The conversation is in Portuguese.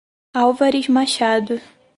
Álvares Machado